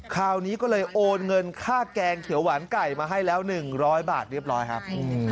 คราวนี้ก็เลยโอนเงินค่าแกงเขียวหวานไก่มาให้แล้ว๑๐๐บาทเรียบร้อยครับ